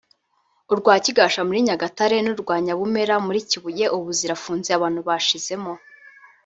urwa Kigasha muri Nyagatare n’urwa Nyabumera muri Kibuye ubu zirafunze abantu bashizemo